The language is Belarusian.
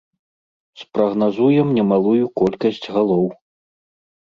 Спрагназуем немалую колькасць галоў.